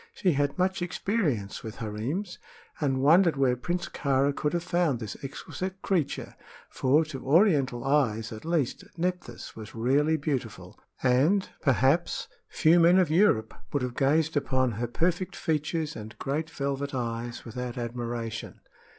She had much experience with harems, and wondered where Prince Kāra could have found this exquisite creature; for, to Oriental eyes, at least, Nephthys was rarely beautiful, and, perhaps, few men of Europe would have gazed upon her perfect features and great velvet eyes without admiration.